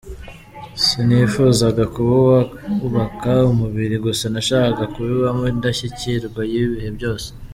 Sinifuzaga kuba uwubaka umubiri gusa nashakaga kubibamo indashyikirwa y’ibihe byose.